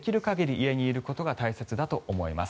家にいることが大切だと思います。